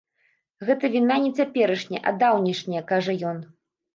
Гэта віна не цяперашняя, а даўнейшая, кажа ён.